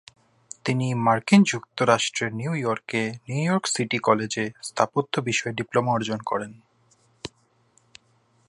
তিনি মার্কিন যুক্তরাষ্ট্রের নিউ ইয়র্কে নিউ ইয়র্ক সিটি কলেজে স্থাপত্য বিষয়ে ডিপ্লোমা অর্জন করেন।